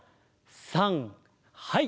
さんはい！